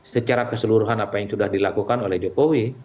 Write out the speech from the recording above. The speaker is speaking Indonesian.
secara keseluruhan apa yang sudah dilakukan oleh jokowi